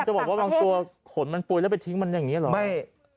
บอกว่าบางตัวขนมันปุ๋ยแล้วไปทิ้งมันอย่างนี้เหรอไม่